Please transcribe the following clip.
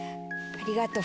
ありがとう。